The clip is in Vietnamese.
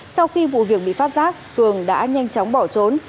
sau khi vụ việc bị phát giác cường đã nhanh chóng bỏ trốn